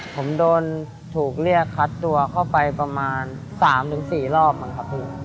ผมโดนถูกเรียกคัดตัวเข้าไปประมาณ๓๔รอบมั้งครับพี่